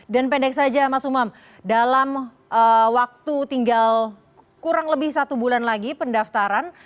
dan pendek saja mas umam dalam waktu tinggal kurang lebih satu bulan lagi pendaftaran